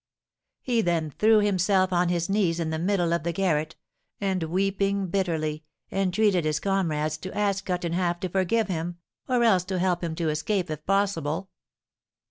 He then threw himself on his knees in the middle of the garret, and, weeping bitterly, entreated his comrades to ask Cut in Half to forgive him, or else to help him to escape if possible.